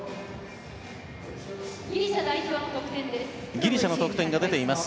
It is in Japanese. ギリシャの得点が出ています。